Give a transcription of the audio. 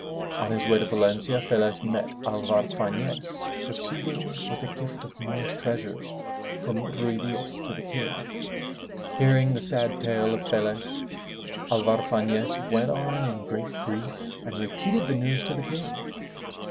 On his way to Valencia, Felez met Alvar Fafiez proceeding with a gift of Moorish treasures from Ruy Diaz to the King. Hearing the sad tale of Felez, Alvar Fanez went on in great grief and repeated the news to the King.